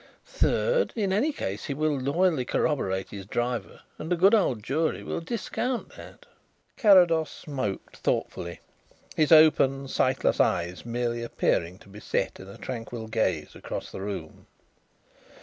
Third, in any case he will loyally corroborate his driver and the good old jury will discount that." Carrados smoked thoughtfully, his open, sightless eyes merely appearing to be set in a tranquil gaze across the room.